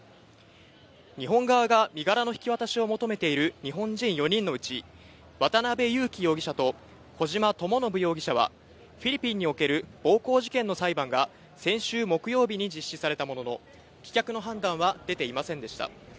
日本側が身柄の引き渡しを求めている日本人４人のうち、渡辺優樹容疑者と小島智信容疑者はフィリピンにおける暴行事件の裁判が先週木曜日に実施されたものの、棄却の判断は出ていませんでした。